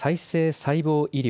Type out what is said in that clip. ・細胞医療